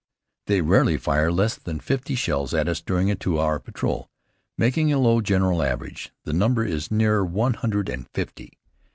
They rarely fire less than fifty shells at us during a two hour patrol. Making a low general average, the number is nearer one hundred and fifty.